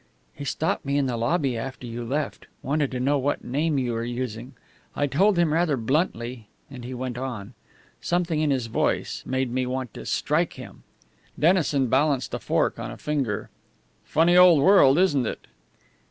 "He stopped me in the lobby after you left. Wanted to know what name you were using. I told him rather bluntly and he went on. Something in his voice made me want to strike him!" Dennison balanced a fork on a finger. "Funny old world, isn't it?"